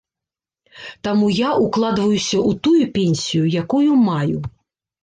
Таму я ўкладваюся ў тую пенсію, якую маю.